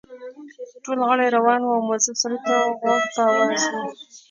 ټول غلي روان وو او مؤظف سړي ته غوږ په آواز وو.